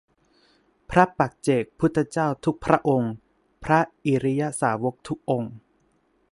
พระปัจเจกพุทธเจ้าทุกพระองค์ พระอริยสาวกทุกองค์